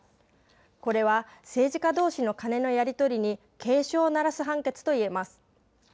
これは政治家どうしのカネのやり取りに警鐘を鳴らす判決と言えます。